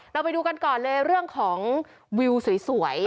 เราไปดูกันก่อนเลยเรื่องของวิวสวย